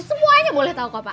semuanya boleh tau ke pak